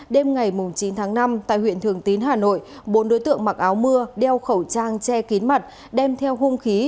đêm ngày chín tháng năm tại huyện thường tín hà nội bốn đối tượng mặc áo mưa đeo khẩu trang che kín mặt đem theo hung khí